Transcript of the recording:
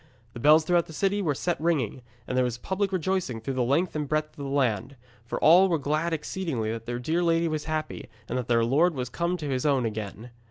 The bells throughout the city were set ringing, and there was public rejoicing through the length and breadth of the land, for all were glad exceedingly that their dear lady was happy, and that their lord was come to his own again.